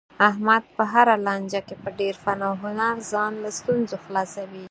احمد په هره لانجه کې په ډېر فن او هنر ځان له ستونزو خلاصوي.